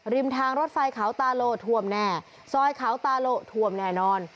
ริมทางรถไฟขาวตาโหลถวมแน่ซอยขาวตาโหลถวมแน่นอน